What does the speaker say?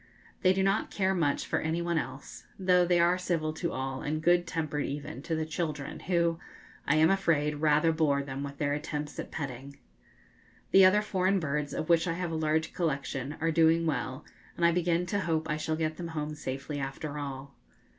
They do not care much for any one else, though they are civil to all and good tempered even to the children, who, I am afraid, rather bore them with their attempts at petting. The other foreign birds, of which I have a large collection, are doing well, and I begin to hope I shall get them home safely after all.